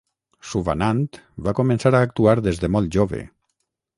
Suvanant va començar a actuar des de molt jove.